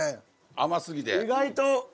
甘すぎて？